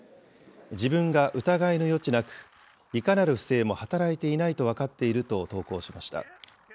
自分が疑いの余地なく、いかなる不正も働いていないと分かっていると投稿しました。